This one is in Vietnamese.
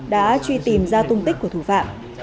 đã truy tìm ra tung tích của thủ phạm